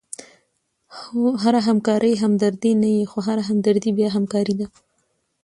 هره همکاري همدردي نه يي؛ خو هره همدردي بیا همکاري ده.